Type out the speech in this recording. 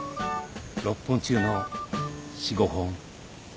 ６本中の４５本。